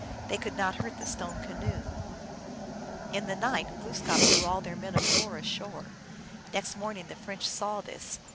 They could not hurt the stone canoe. In the night Gloos kap drew all their men of war ashore. Next morning the French saw this.